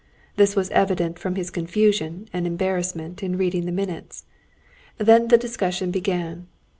This was evident from his confusion and embarrassment in reading the minutes. Then the discussion began.